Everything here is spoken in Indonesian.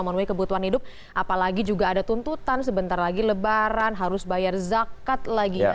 memenuhi kebutuhan hidup apalagi juga ada tuntutan sebentar lagi lebaran harus bayar zakat lagi